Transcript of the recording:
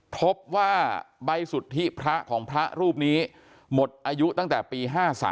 พบว่าใบสุทธิพระของพระรูปนี้หมดอายุตั้งแต่ปี๕๓